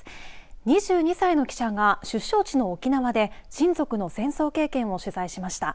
２２歳の記者が出生地の沖縄で親族の戦争経験を取材しました。